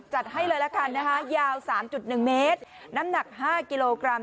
จัดให้เลยละกันนะคะยาวสามจุดหนึ่งเมตรน้ำหนักห้ากิโลกรัม